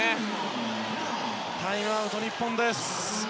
タイムアウト、日本です。